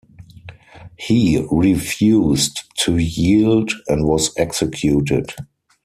He refused to yield and was executed.